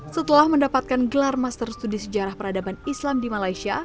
setelah mendapatkan gelar master studi sejarah peradaban islam di malaysia